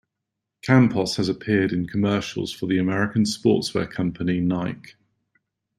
Campos has appeared in commercials for the American sportswear company Nike.